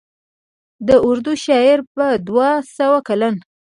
د اردو شاعرۍ په دوه سوه کلن